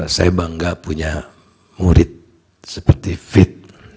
saya bangga punya murid seperti fit